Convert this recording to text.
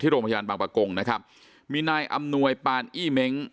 โรงพยาบาลบางประกงนะครับมีนายอำนวยปานอี้เม้ง